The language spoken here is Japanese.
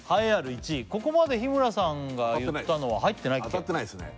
ここまで日村さんが言ったのは入ってない当たってないっすね